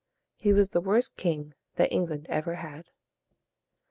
He was the worst king that England ever had.